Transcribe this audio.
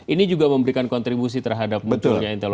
ini juga memberikan kontribusi terhadap mutuanya intoleransi